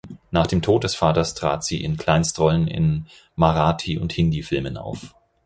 Nach dem Tod des Vaters trat sie in Kleinstrollen in Marathi- und Hindi-Filmen auf.